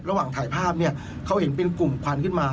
ระหว่างถ่ายภาพเนี่ยเขาเห็นเป็นกลุ่มควันขึ้นมา